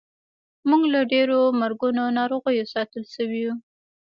موږ له ډېرو مرګونو ناروغیو ساتلی شو.